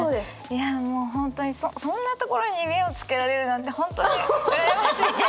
いやもう本当にそそんなところに目をつけられるなんて本当に羨ましい！